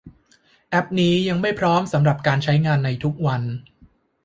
แอพนี้ยังไม่พร้อมสำหรับการใช้งานในทุกวัน